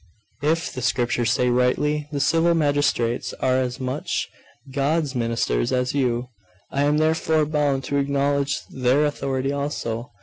If the Scriptures say rightly, the civil magistrates are as much God's ministers as you; and I am therefore bound to acknowledge their authority also.